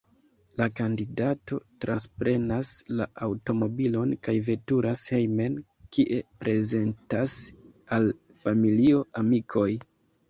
La kandidato transprenas la aŭtomobilon kaj veturas hejmen, kie prezentas al familio, amikoj.